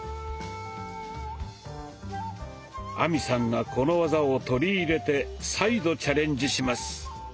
亜美さんがこの技を取り入れて再度チャレンジします。